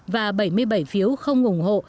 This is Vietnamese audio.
và bảy mươi bảy phiếu không ủng hộ